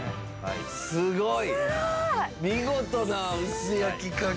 すごーい！